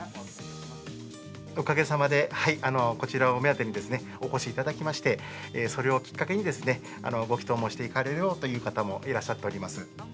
おかげさまで、こちらを目当てにお越しいただきまして、それをきっかけにですね、ご祈とうをしていかれる方もいらっしゃっております。